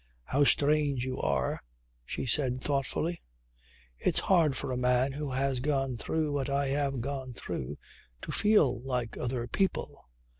"How strange you are!" she said thoughtfully. "It's hard for a man who has gone through what I have gone through to feel like other people.